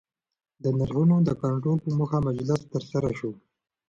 د نرخونو د کنټرول په موخه مجلس ترسره سو